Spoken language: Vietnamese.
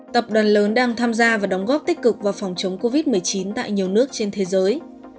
tập đoàn lớn đang tham gia và đóng góp tích cực vào phòng chống covid một mươi chín tại nhiều nước trên thế giới